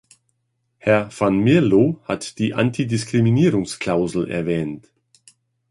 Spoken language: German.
Herr Van Mierlo hat die Antidiskriminierungsklausel erwähnt.